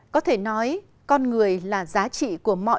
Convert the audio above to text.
có thể nói con người là giá trị của mọi